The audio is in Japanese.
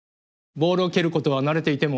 ボールを蹴ることは慣れていても。